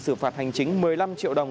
sử phạt hành chính một mươi năm triệu đồng